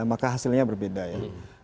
maka hasilnya berbeda ya